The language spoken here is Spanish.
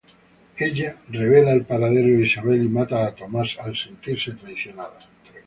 Ella revela el paradero de Isabel y mata a Tomás al sentirse traicionada.